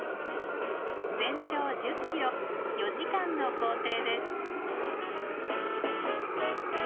全長１０ｋｍ４時間の行程です。